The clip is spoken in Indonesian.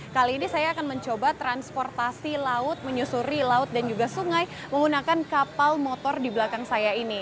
kali ini saya akan mencoba transportasi laut menyusuri laut dan juga sungai menggunakan kapal motor di belakang saya ini